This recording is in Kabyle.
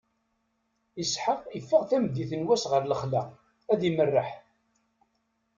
Isḥaq iffeɣ tameddit n wass ɣer lexla, ad imerreḥ.